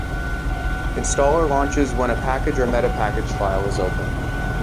Installer launches when a package or metapackage file is opened.